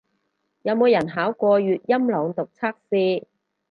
有冇人考過粵音朗讀測試